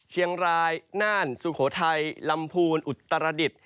เชียงรายน่านสุโขทัยลำพูนอุตรดิษฐ์